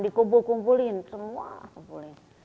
dikumpul kumpulin semua kumpulin